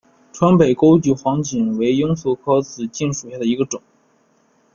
川北钩距黄堇为罂粟科紫堇属下的一个种。